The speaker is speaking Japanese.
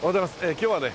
今日はね